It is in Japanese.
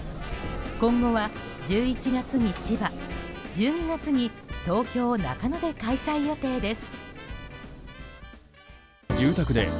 今後は１１月に千葉１２月に東京・中野で開催予定です。